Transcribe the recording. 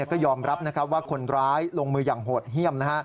ก็ยอมรับว่าคนร้ายลงมือยังห่ดเหี้ยม